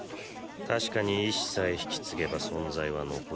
確かに意志さえ引き継げば存在は残り続ける。